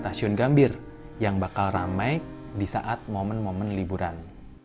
stasiun gambir yang bakal ramai di saat momen momen liburan